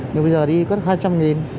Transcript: nhưng bây giờ đi có hai trăm linh nghìn